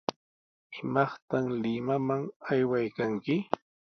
¿Imaqta Limaman aywaykanki?